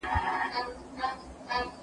نړیوال سازمانونه د جرګي سره څنګه مرسته کوي؟